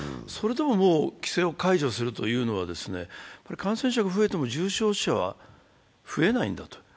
それでももう規制を解除するというのは、感染者が増えても重症者は増えないんだと。